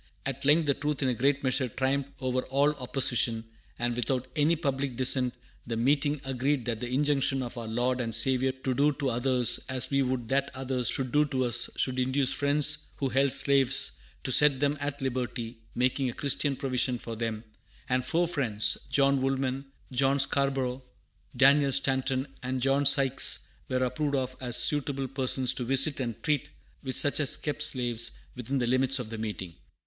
At length the truth in a great measure triumphed over all opposition; and, without any public dissent, the meeting agreed that the injunction of our Lord and Saviour to do to others as we would that others should do to us should induce Friends who held slaves "to set them at liberty, making a Christian provision for them," and four Friends John Woolman, John Scarborough, Daniel Stanton, and John Sykes were approved of as suitable persons to visit and treat with such as kept slaves, within the limits of the meeting.